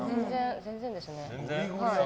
全然ですね。